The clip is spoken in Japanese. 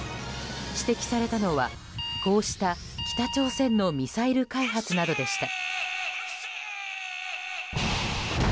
指摘されたのはこうした北朝鮮のミサイル開発などでした。